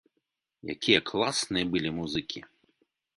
Якія класныя былі музыкі!